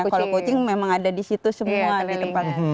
kalau kucing memang ada di situ semua di tempatnya